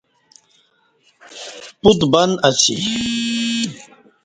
پوت بند اسی